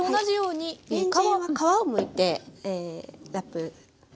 にんじんは皮をむいてラップ。